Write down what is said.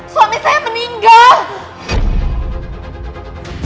suami saya menyinggah